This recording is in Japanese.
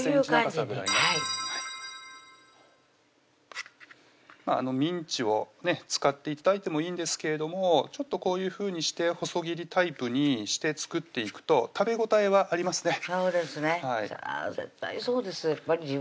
５ｃｍ長さぐらいのミンチを使って頂いてもいいんですけれどもこういうふうにして細切りタイプにして作っていくと食べ応えはありますねそうですねそら